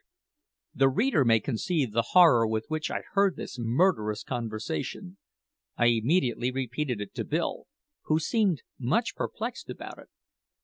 The reader may conceive the horror with which I heard this murderous conversation. I immediately repeated it to Bill, who seemed much perplexed about it.